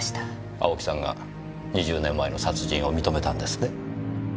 青木さんが２０年前の殺人を認めたんですね？